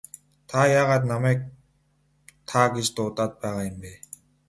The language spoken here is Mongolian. Та яагаад намайг та гэж дуудаад байгаа юм бэ?